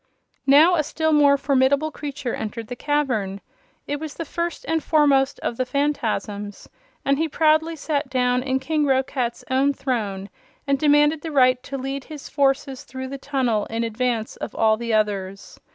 Now a still more formidable creature entered the cavern. It was the First and Foremost of the Phanfasms and he proudly sat down in King Roquat's own throne and demanded the right to lead his forces through the tunnel in advance of all the others.